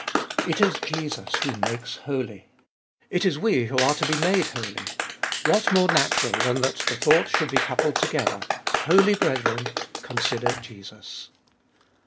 It is Jesus who makes holy : it is we who are to be made holy : what more Cbe fbolfest of Bll 105 natural than that the thoughts should be coupled together: holy brethren, consider Jesus.